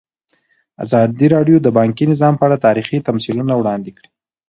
ازادي راډیو د بانکي نظام په اړه تاریخي تمثیلونه وړاندې کړي.